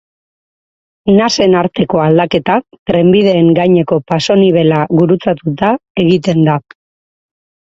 Nasen arteko aldaketa trenbideen gaineko pasonibela gurutzatuta egiten da.